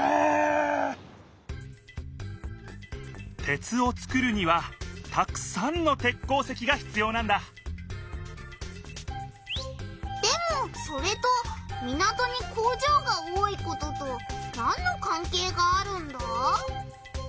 鉄を作るにはたくさんの鉄鉱石がひつようなんだでもそれと港に工場が多いこととなんのかんけいがあるんだ？